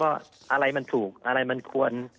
อะไรมันถูกอะไรมันควร